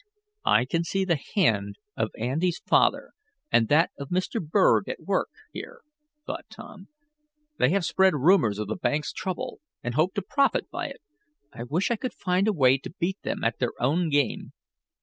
"I can see the hand of Andy's father, and that of Mr. Berg, at work here," thought Tom, "They have spread rumors of the bank's trouble, and hope to profit by it. I wish I could find a way to beat them at their own game."